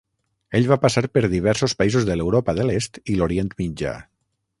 Ell va passar per diversos països de l'Europa de l'Est i l'Orient Mitjà.